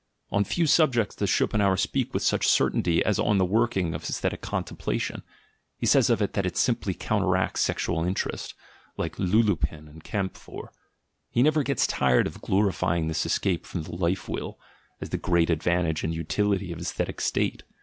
On few subjects does Schopenhauer speak with such certainty as on the working of aesthetic contemplation: he says of it that it simply counteracts sexual interest, like lupulin and camphor; he never gets tired of glorifying this escape from the "Life will" as the great advantage and utility of the aesthetic state.